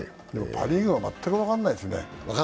パ・リーグは全く分からないですね。